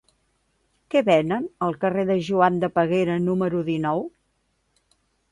Què venen al carrer de Joan de Peguera número dinou?